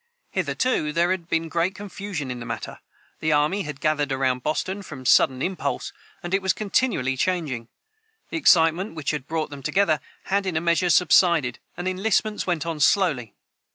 Hitherto there had been great confusion in the matter. The army had gathered around Boston from sudden impulse, and it was continually changing. The excitement which had brought them together had in a measure subsided, and enlistments went on slowly.